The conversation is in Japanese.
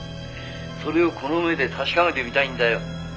「それをこの目で確かめてみたいんだよ」